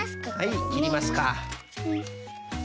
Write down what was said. はいきりますか。